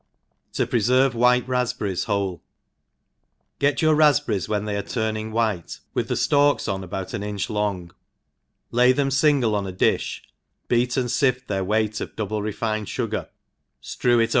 5tf prejirve White Raspberries noheU. GET your rafp berries when they are turning white, with the ftalks oh about an inch long, lay them fingle on a difh, beat and filt their weight of double refined fugar, ftrew it over 0^2 them^ v.